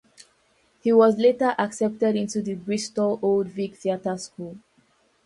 He was later accepted into the Bristol Old Vic Theatre School.